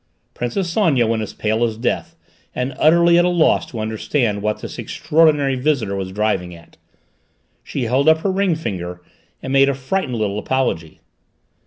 Princess Sonia was as pale as death and utterly at a loss to understand what this extraordinary visitor was driving at. She held up her ring finger, and made a frightened little apology.